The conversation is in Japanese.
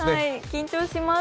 緊張します。